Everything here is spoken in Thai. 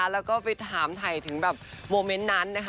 แล้วก็ไปถามถ่ายถึงแบบโมเมนต์นั้นนะคะ